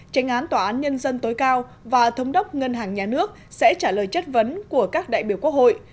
tranh án tòa án nhân dân tối cao và thống đốc ngân hàng nhà nước sẽ trả lời chất vấn của các đại biểu quốc hội